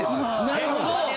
なるほど。